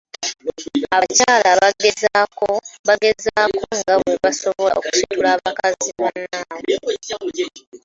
Abakyala bagezaako nga bwe basobola okusitula bakazi bannaabwe.